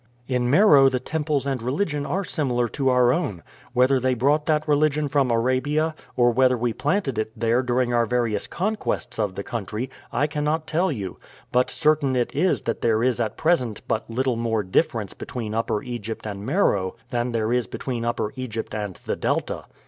"In Meroe the temples and religion are similar to our own. Whether they brought that religion from Arabia, or whether we planted it there during our various conquests of the country, I cannot tell you; but certain it is that there is at present but little more difference between Upper Egypt and Meroe than there is between Upper Egypt and the Delta."